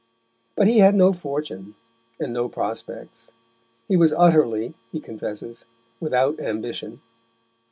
But he had no fortune and no prospects; he was utterly, he confesses, without ambition.